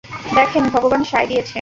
দেখেন, ভগবান সায় দিয়েছে।